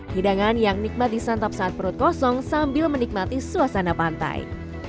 hidangan yang nikmat disantap saat perut kosong sambil menikmati suasana pantai